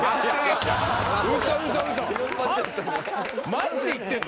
マジで言ってんの？